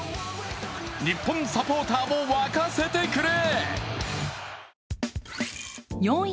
日本サポーターも沸かせてくれ！